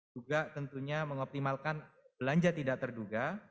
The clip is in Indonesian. juga tentunya mengoptimalkan belanja tidak terduga